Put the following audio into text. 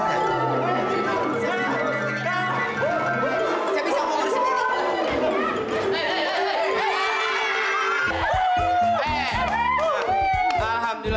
saya bisa ngubur sendiri